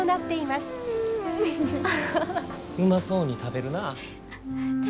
うまそうに食べるなぁ。